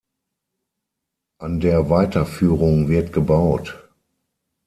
An der Weiterführung wird gebaut.